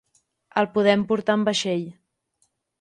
El podem portar amb vaixell.